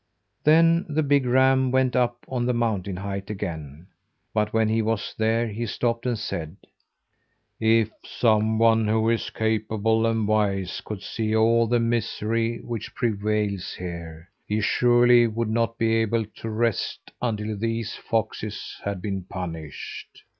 Then the big ram went up on the mountain height again; but when he was there he stopped and said: "If someone who is capable and wise could see all the misery which prevails here, he surely would not be able to rest until these foxes had been punished."